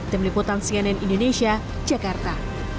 tim liputan cnn indonesia jakarta